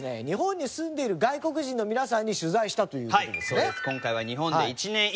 日本に住んでいる外国人の皆さんに取材したという事ですね。